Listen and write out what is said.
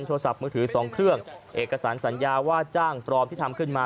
โทรศัพท์มือถือ๒เครื่องเอกสารสัญญาว่าจ้างปลอมที่ทำขึ้นมา